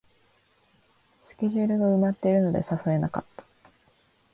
スケジュールが埋まってるので誘えなかった